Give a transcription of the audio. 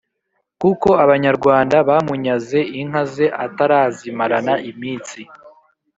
kuko abanyarwanda bamunyaze inka ze atarazimarana iminsi,